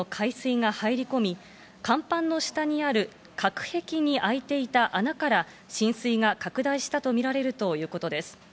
ハッチからは相当量の海水が入り込み、甲板の下にある隔壁に入っていた穴から浸水が拡大したとみられるということです。